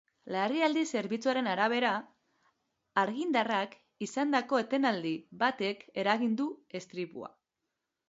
Larrialdi zerbitzuen arabera, argindarrak izandako etenaldi batek eragin du istripua.